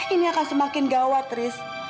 ini akan semakin gawat ris